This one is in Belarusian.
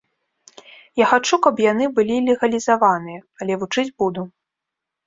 Я хачу, каб яны былі легалізаваныя, але вучыць буду.